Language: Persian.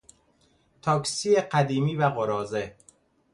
تاکسی قدیمی و قراضه